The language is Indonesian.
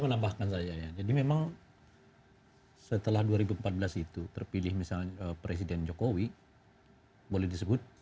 menambahkan saya ya jadi memang setelah dua ribu empat belas itu terpilih misalnya presiden jokowi boleh disebut